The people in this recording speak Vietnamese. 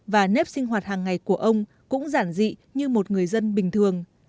và nếp sinh hoạt hàng ngày của ông cũng giản dị như một người dân